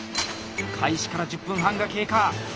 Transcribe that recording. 開始から１０分半が経過！